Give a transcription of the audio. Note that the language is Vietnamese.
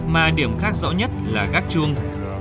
mà điểm khác rõ nhất là gác chuông